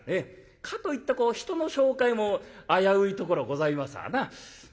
かといって人の紹介も危ういところございますわな。